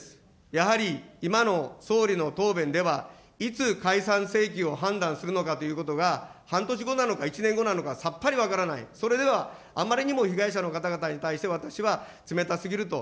やはり、今の総理の答弁では、いつ解散請求を判断するのかということが、半年後なのか１年後なのかさっぱり分からない、それではあんまりにも被害者の方々に対して、私は冷たすぎると。